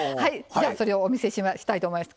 じゃあそれをお見せしたいと思います。